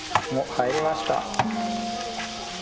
入りました。